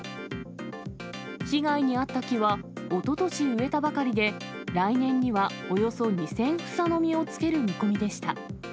被害に遭った木は、おととし植えたばかりで、来年にはおよそ２０００房の実をつける見込みでした。